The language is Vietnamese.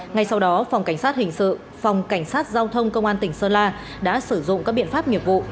ngay sau đó phòng cảnh sát hình sự phòng cảnh sát giao thông công an tỉnh sơn la đã sử dụng các biện pháp nghiệp vụ